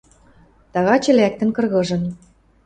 Тагачы лӓктӹн кыргыжын.